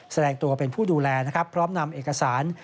แสดงตัวเป็นผู้ดูแลนะครับพร้อมนำเอกสาร